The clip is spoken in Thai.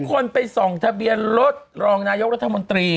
คนไปส่องทะเบียนรถรองนายกรัฐมนตรี